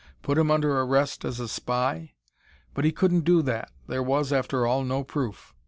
Put him under arrest as a spy? But he couldn't do that: there was, after all, no proof.